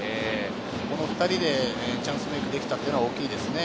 この２人でチャンスメークできたっていうのは大きいですね。